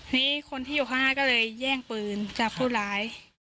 นี่คนที่อยู่ข้างหน้าก็เลยแย่งปืนจากผู้ร้าย